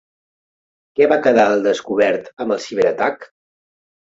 Què va quedar al descobert amb el ciberatac?